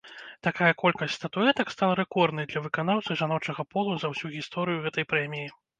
Такая колькасць статуэтак стала рэкорднай для выканаўцы жаночага полу за ўсю гісторыю гэтай прэміі.